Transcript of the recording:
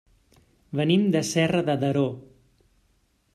Venim de Serra de Daró.